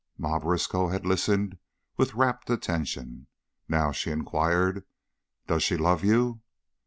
Ma Briskow had listened with rapt attention. Now, she inquired, "Does she love you?"